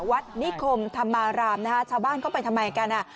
วัดนิคมธรรมารามนะฮะชาวบ้านเข้าไปทำไมกันอ่ะ